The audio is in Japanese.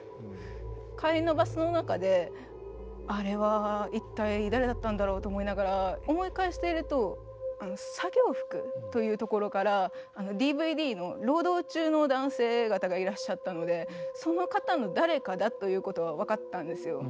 帰りのバスの中であれは一体誰だったんだろうと思いながら思い返していると作業服というところからＤＶＤの労働中の男性方がいらっしゃったのでその方の誰かだということは分かったんですよ。